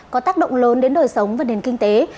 có tác động lớn đến đời sống và nền kinh tế